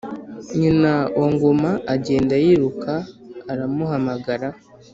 Nyina wa Ngoma agenda yiruka aramuhamagara,